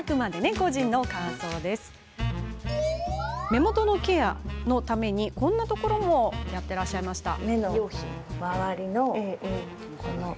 目元のケアのためにこんなところもケアしてました。